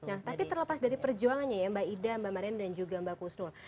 nah sebagai terlepas dari perjuangannya mbak ida mbak maryann dan mbak khusnul